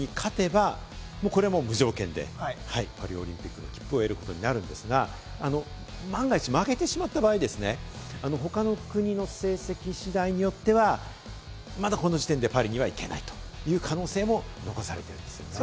もし次のカーボベルデ戦に勝てば、これ、無条件でパリオリンピックの切符を得ることになるんですが、万が一負けてしまった場合、他の国の成績次第によっては、まだこの時点でパリには行けないという可能性も残されているんですよね。